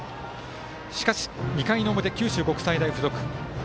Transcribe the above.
しかし、２回の表九州国際大付属。